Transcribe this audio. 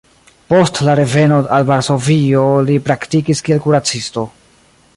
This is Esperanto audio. Post la reveno al Varsovio li praktikis kiel kuracisto.